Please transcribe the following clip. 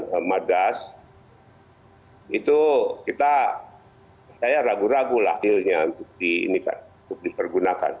dan madas itu kita ragu ragu lah akhirnya untuk dipergunakan